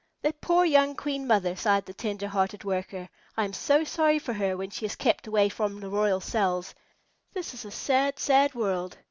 "That poor young Queen Mother!" sighed the tender hearted Worker. "I am so sorry for her when she is kept away from the royal cells. This is a sad, sad world!"